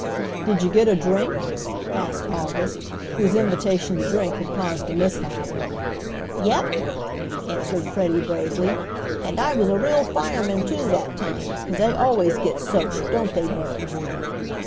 "Did you get a drink?" asked August, whose invitation to drink had caused the mishap. "Yep!" answered Freddie bravely, "and I was a real fireman too, that time, 'cause they always get soaked; don't they, Bert?"